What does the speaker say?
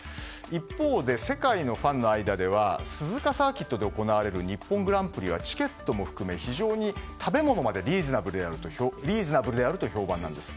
一方で世界のファンの間では鈴鹿サーキットで行われる日本グランプリはチケットも含め非常に食べ物までリーズナブルであると評判なんです。